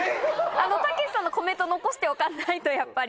あの、たけしさんのコメントを残しておかないと、やっぱり。